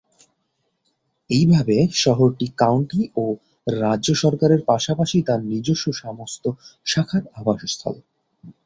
এইভাবে, শহরটি কাউন্টি ও রাজ্য সরকারের পাশাপাশি তার নিজস্ব সমস্ত শাখার আবাসস্থল।